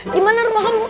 dimana rumah kamu